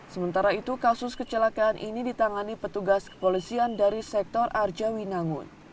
sementara itu kasus kecelakaan ini ditangani petugas kepolisian dari sektor arjawi nangun